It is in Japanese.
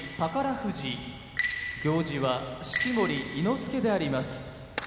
富士行司は式守伊之助であります。